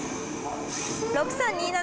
６３２７。